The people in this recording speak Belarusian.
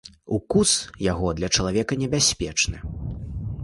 Укус яго для чалавека небяспечны.